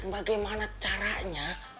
dan bagaimana caranya